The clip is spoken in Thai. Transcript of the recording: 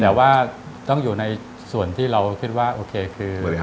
แต่ว่าต้องอยู่ในส่วนที่เราคิดว่าโอเคคือ